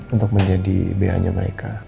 untuk menjadi ba nya mereka